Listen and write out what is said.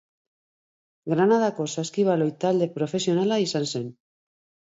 Granadako saskibaloi talde profesionala izan zen.